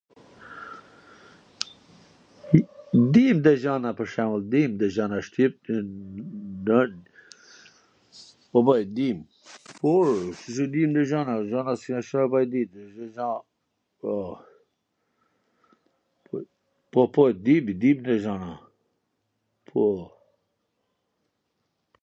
dim ndo gjana pwr shemull, din ndo gjana shqip..., po, po, e dim. ... po, ore, si s' i dim ndo gjana, gjana s'kena .... pa i dit. Po, po, po, i dim, i dim ndo gjana, po.